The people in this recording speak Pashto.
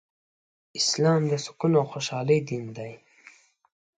اسلام د سکون او خوشحالۍ دين دی